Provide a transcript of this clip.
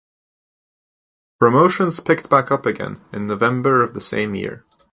Promotions picked back up again in November of the same year.